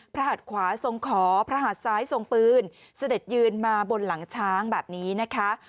หัดขวาทรงขอพระหัดซ้ายทรงปืนเสด็จยืนมาบนหลังช้างแบบนี้นะคะ